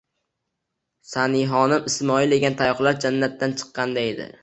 Sanihaxonim Ismoil yegan tayoqlar jannatdan chiqqan deydi.